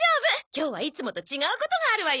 今日はいつもと違うことがあるわよ！